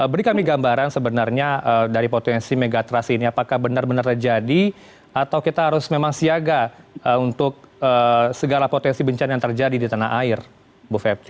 beri kami gambaran sebenarnya dari potensi megatrust ini apakah benar benar terjadi atau kita harus memang siaga untuk segala potensi bencana yang terjadi di tanah air bu fepti